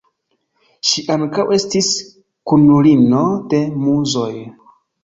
Ŝi ankaŭ estis kunulino de Muzoj.